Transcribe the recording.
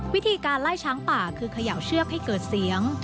วิธีการไล่ช้างป่าคือเขย่าเชือกให้เกิดเสียง